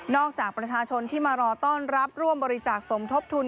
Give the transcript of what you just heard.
จากประชาชนที่มารอต้อนรับร่วมบริจาคสมทบทุน